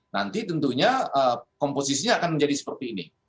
nanti tentunya komposisinya akan menjadi seperti ini